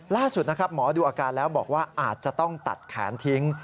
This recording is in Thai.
ล่าสุดนะครับหมอดูอาการแล้วบอกว่าอาจจะต้องตัดแขนทิ้ง